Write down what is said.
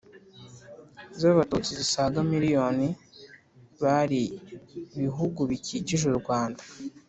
z'abatutsi zisaga miliyoni bari bihugu bikikije u rwanda.